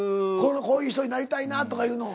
こういう人になりたいなとかいうの。